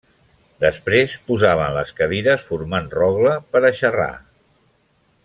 Després posaven les cadires formant rogle per a xarrar.